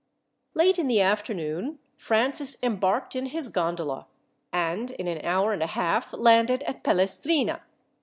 Late in the afternoon, Francis embarked in his gondola, and in an hour and a half landed at Pelestrina.